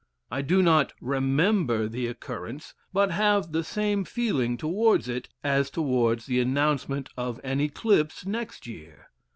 I do not remember the occurrence, but have the same feeling towards it as towards the announcement of an eclipse next year.